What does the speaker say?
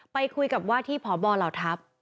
ไปคุยกับว่าที่พบเหล่าทัพ